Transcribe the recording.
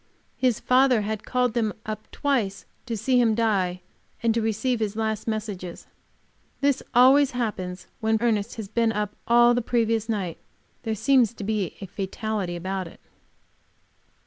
His father had called them up twice to see him die and to receive his last messages. This always happens when Ernest has been up all the previous night; there seems a fatality about it.